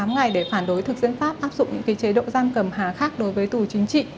tám ngày để phản đối thực dân pháp áp dụng những chế độ giam cầm hà khác đối với tù chính trị